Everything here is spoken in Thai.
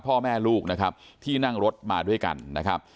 พ่อแม่ลูกนะครับที่นั่งรถมาด้วยกันนะครับ